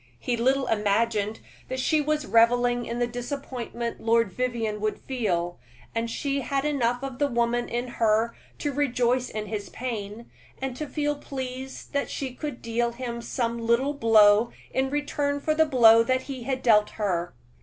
He little imagined that she was reveling in the disappointment Lord Vivianne would feel; and she had enough of the woman in her to rejoice in his pain, and to feel pleased that she could deal him some little blow in return for the blow he had dealt her.